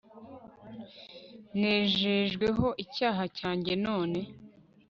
nejejweho icyaha cyanjye none